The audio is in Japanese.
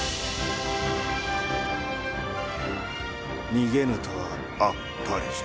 逃げぬとはあっぱれじゃ。